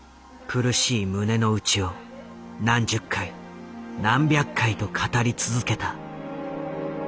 苦しい胸の内を何十回何百回と語り続けた。